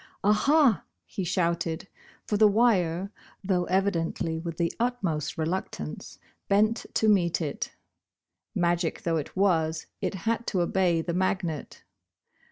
"Ah, ha!" he shouted, for the wire, though evidently with the utmost reluctance, bent to meet it. Magic though it was, it had to obey the magnet.